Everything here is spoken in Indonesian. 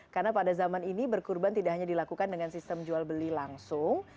karena pada zaman ini berkurban tidak hanya dilakukan dengan sistem jual beli langsung